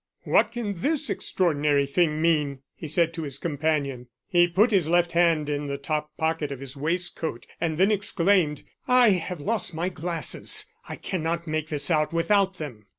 "What can this extraordinary thing mean?" he said to his companion. He put his left hand in the top pocket of his waistcoat, and then exclaimed: "I have lost my glasses; I cannot make this out without them."